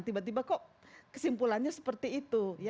tiba tiba kok kesimpulannya seperti itu